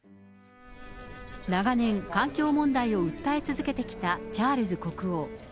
長年、環境問題を訴え続けてきたチャールズ国王。